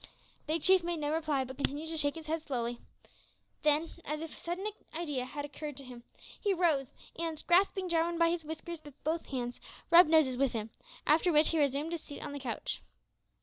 Big Chief made no reply, but continued to shake his head slowly; then, as if a sudden idea had occurred to him, he rose, and, grasping Jarwin by his whiskers with both hands, rubbed noses with him, after which he resumed his seat on the couch.